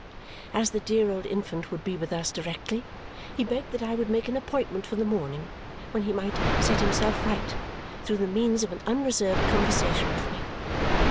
As the dear old infant would be with us directly, he begged that I would make an appointment for the morning, when he might set himself right through the means of an unreserved conversation with me.